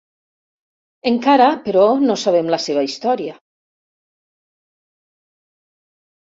Encara, però, no sabem la seva història.